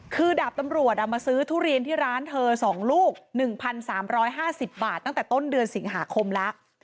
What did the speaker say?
คือดาบตำรวจมาซื้อทุเรียนที่ร้านเธอ๒ลูก๑๓๕๐บาทตั้งแต่ต้นเดือนสิงหาคมแล้ว